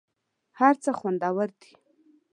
هر څه خوندور دي .